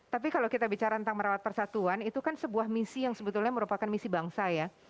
tapi kalau kita bicara tentang merawat persatuan itu kan sebuah misi yang sebetulnya merupakan misi bangsa ya